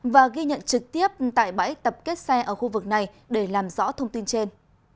và ghi nhận trực tiếp tại bãi tập kết xe ở khu vực này để làm rõ thông tin trên